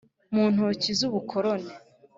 Mu ntoki z ubukoroni